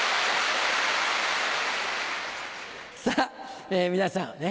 さぁ皆さんね